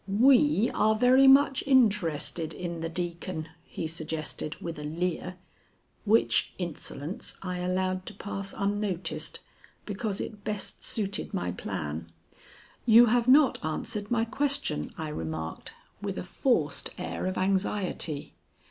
"We are very much interested in the Deacon," he suggested, with a leer; which insolence I allowed to pass unnoticed, because it best suited my plan. "You have not answered my question," I remarked, with a forced air of anxiety.